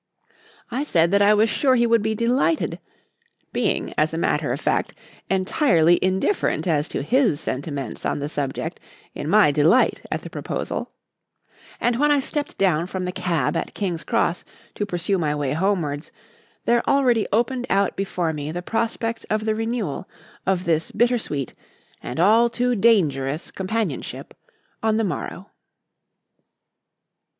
I said that I was sure he would be delighted (being, as a matter of fact, entirely indifferent as to his sentiments on the subject in my delight at the proposal), and when I stepped down from the cab at King's Cross to pursue my way homewards, there already opened out before me the prospect of the renewal of this bitter sweet and all too dangerous companionship on the morrow.